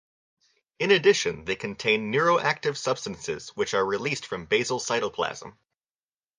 In addition, they contain neuroactive substances which are released from basal cytoplasm.